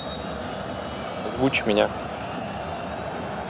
Озвучь меня.